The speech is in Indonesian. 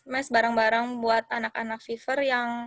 mes bareng bareng buat anak anak viver yang